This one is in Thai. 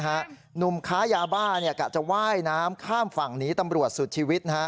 หนุ่มค้ายาบ้ากะจะว่ายน้ำข้ามฝั่งหนีตำรวจสุดชีวิต